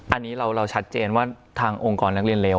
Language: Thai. อันนี้เราชัดเจนว่าทางองค์กรนักเรียนเลว